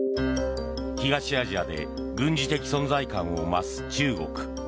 東アジアで軍事的存在感を増す中国。